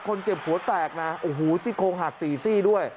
เจ็บหัวแตกนะโอ้โหซี่โครงหัก๔ซี่ด้วย